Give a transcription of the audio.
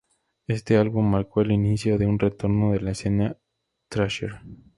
Este álbum marcó el inicio de un retorno de la "escena thrasher".